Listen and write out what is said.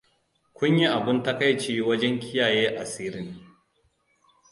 Kun yi abun takaici wajen kiyaye asirin.